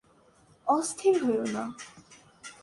অস্থির হয়ো না।